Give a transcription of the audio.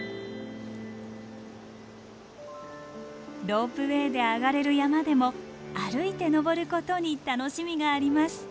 ロープウェイで上がれる山でも歩いて登ることに楽しみがあります。